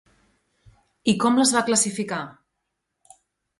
I com les va classificar?